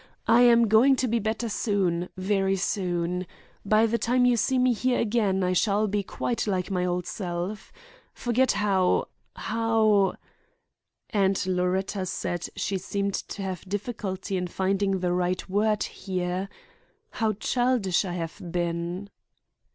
I am going to be better soon, very soon. By the time you see me here again I shall be quite like my old self. Forget how—how"—and Loretta said she seemed to have difficulty in finding the right word here—"how childish I have been."